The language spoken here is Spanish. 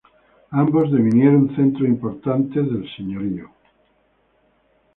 Ambos devinieron centros importantes del señorío.